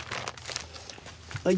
はい。